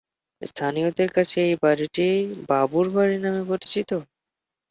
স্থানীয়দের কাছে এই বাড়িটি বাবুর বাড়ি নামে পরিচিত।